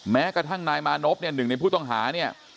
แม้กระทั่งนายมานพเนี่ยหนึ่งในผู้ต้องหาเนี่ย